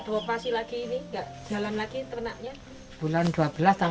sejak kapan sibuk ini tidak beroperasi lagi